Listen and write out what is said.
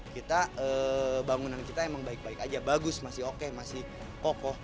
kita bangunan kita emang baik baik aja bagus masih oke masih kokoh